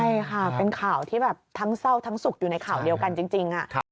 ใช่ค่ะเป็นข่าวที่แบบทั้งเศร้าทั้งสุขอยู่ในข่าวเดียวกันจริง